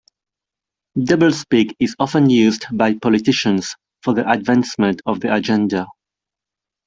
Doublespeak is often used by politicians for the advancement of their agenda.